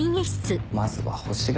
まずは星ヶ